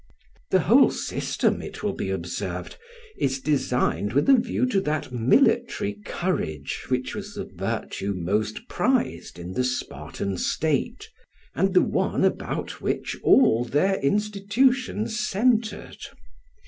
The whole system, it will be observed, is designed with a view to that military courage which was the virtue most prized in the Spartan state, and the one about which all their institutions centred.